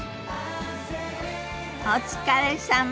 お疲れさま。